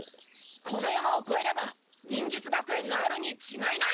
この山をこえれば忍術学園があるにちがいない！